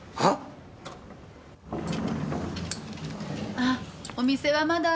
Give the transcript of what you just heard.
あっお店はまだ。